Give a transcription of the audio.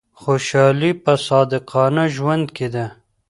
خوشحالي په صادقانه ژوند کي ده.